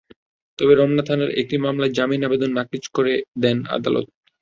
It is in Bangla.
তবে রমনা থানার একটি মামলায় জামিন আবেদন নাকচ করে দেন আদালত।